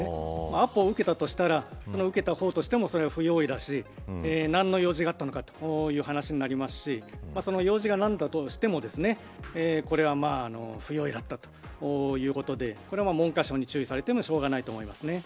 アポを受けたとしたら受けた方としても不用意だし何の用事があったのかという話にもなりますしその用事が何だとしてもこれは不用意だったということでこれは文科省に注意されてもしょうがないと思います。